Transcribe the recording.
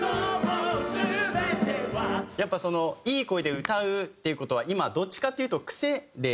やっぱそのいい声で歌うっていう事は今どっちかっていうと癖で。